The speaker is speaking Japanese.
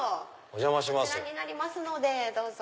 こちらになりますのでどうぞ。